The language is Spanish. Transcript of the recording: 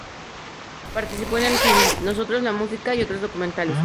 Participó en el film "Nosotros, la música" y otros documentales.